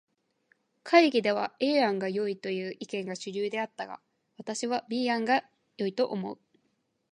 会議では A 案がよいという意見が主流であったが、私は B 案が良いと思う。